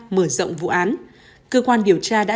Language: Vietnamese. mở rộng vụ án cơ quan điều tra đã